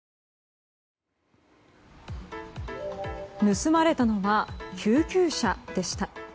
盗まれたのは救急車でした。